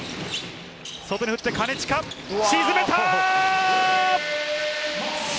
外に打って金近、沈めた！